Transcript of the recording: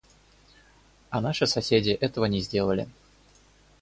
А наши соседи этого не сделали.